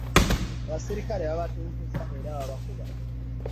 Abaserikale babatuntuza era babakuba.